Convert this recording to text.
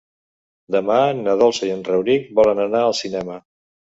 Demà na Dolça i en Rauric volen anar al cinema.